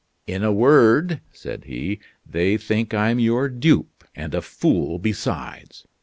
"In a word," said he, "they think I'm your dupe and a fool besides."